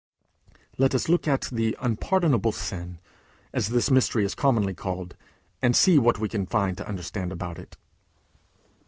Let us look at "the unpardonable sin," as this mystery is commonly called, and see what we can find to understand about it.